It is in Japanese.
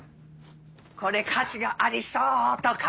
これ価値がありそうとか。